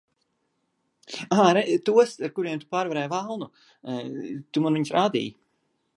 Āre tos, ar kuriem tu pārvarēji velnu. Tu man viņus rādīji.